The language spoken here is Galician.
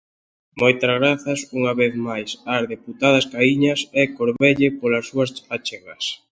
Moitas grazas unha vez máis ás deputadas Caíñas e Corvelle polas súas achegas.